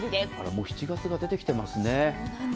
もう７月が出てきてますね。